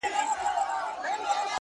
درته گران نه يمه زه-